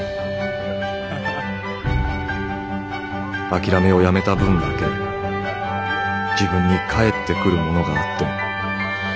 「諦めをやめた分だけ自分に返ってくるものがあって。